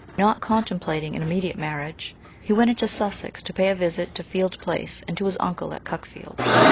Not contemplating an immediate marriage, he went into Sussex to pay a visit to Field Place and to his uncle at Cuckfield.